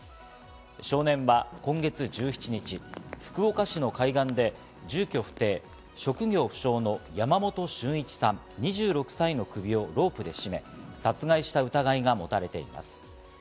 少年は今月１７日、福岡市の海岸で住所不定・職業不詳の山本駿一さん、２６歳の首をロープで絞め殺害した疑いが持たれています。